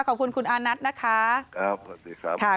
ขอบคุณคุณอาณัทนะคะทุกคนพอส์วัสดีครับ